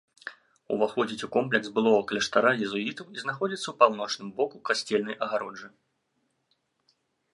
Уваходзіць у комплекс былога кляштара езуітаў і знаходзіцца паўночным боку касцельнай агароджы.